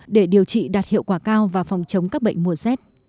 để điều trị đạt hiệu quả cao và phòng chống các bệnh mùa z